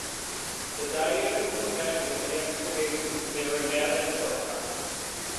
The diadem was found at the excavations carried out at Orkhon.